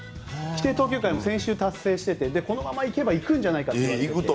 規定投球回はクリアしていてこのままいけばいくんじゃないかと。